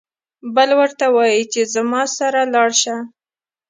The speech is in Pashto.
بل ورته وايي چې زما سره لاړ شه.